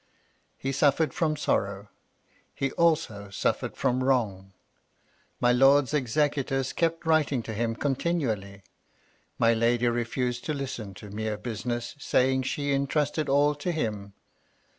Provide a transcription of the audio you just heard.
He su£fered from sorrow. He also suffered from wrong. My lord's executors kept writing to him continually. My lady refused to listen to mere business, saying she intrusted all to him.